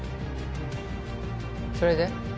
それで？